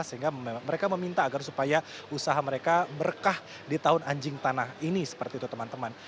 sehingga mereka meminta agar supaya usaha mereka berkah di tahun anjing tanah ini seperti itu teman teman